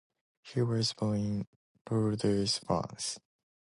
He was born in Lourdes, France.